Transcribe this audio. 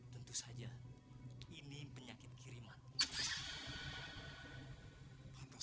pintar juga istrikan gan kan